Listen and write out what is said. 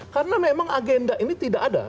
karena memang agenda ini tidak ada